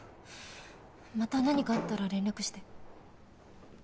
また何かあったら連絡して。